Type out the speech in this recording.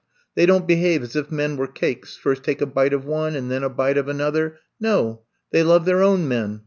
They don^t behave as if men were cakes — ^first take a bite of one and then a bite of another. No ! They love their own men.